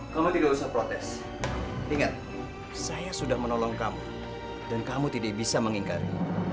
kamu tidak usah protes ingat saya sudah menolong kamu dan kamu tidak bisa mengingkari